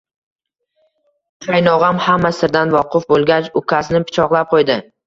Qaynog'am hamma sirdan voqif bo'lgach, ukasini pichoqlab qo'ydi